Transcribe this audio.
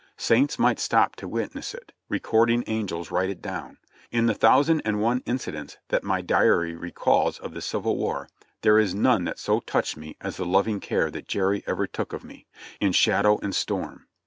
Saints might stop to witness it — Re cording Angels write it down : In the thousand and one inci dents that my diary recalls of the Civil War there is none that so touched me as the loving care that Jerry ever took of me, in shadow and storm.